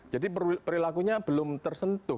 jadi perilakunya belum tersentuh